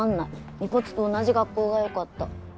みぽつと同じ学校がよかった。